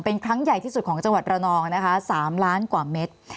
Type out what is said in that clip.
เป็นครั้งใหญ่ที่สุดของจังหวัดระนองนะคะ๓ล้านกว่าเม็ด